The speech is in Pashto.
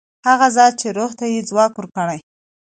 هغه ذات چې روح ته یې ځواک ورکړ.